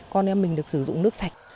con em mình được sử dụng nước sạch